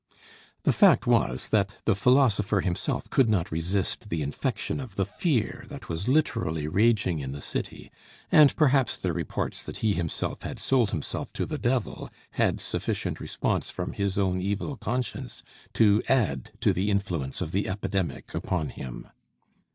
The fact was that the philosopher himself could not resist the infection of the fear that was literally raging in the city; and perhaps the reports that he himself had sold himself to the devil had sufficient response from his own evil conscience to add to the influence of the epidemic upon him.